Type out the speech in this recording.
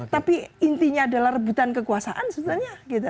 tapi intinya adalah rebutan kekuasaan sebenarnya gitu